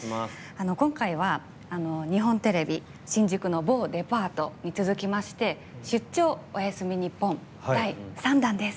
今回は、日本テレビ新宿の某デパートに続きまして「出張！おやすみ日本」第３弾です。